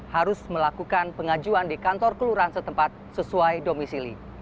harus melakukan pengajuan di kantor kelurahan setempat sesuai domisili